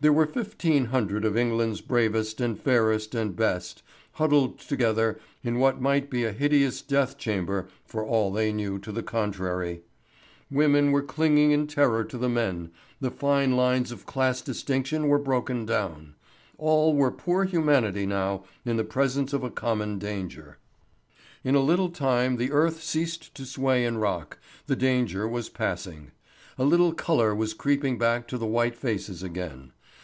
There were fifteen hundred of England's bravest, and fairest, and best, huddled together in what might be a hideous deathchamber for all they knew to the contrary. Women were clinging in terror to the men, the fine lines of class distinction were broken down. All were poor humanity now in the presence of a common danger. In a little time the earth ceased to sway and rock, the danger was passing. A little colour was creeping back to the white faces again.